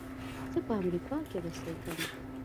زه په امریکا کې اوسېږم.